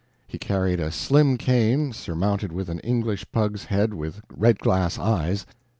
He carried a slim cane, surmounted with an English pug's head with red glass eyes.